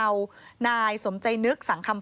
ทางศูนย์นำรงธรรมจังหวัดชาติเชิงเศร้า